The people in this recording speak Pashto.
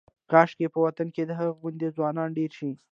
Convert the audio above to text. کاشکې په وطن کې د هغه غوندې ځوانان ډېر شي.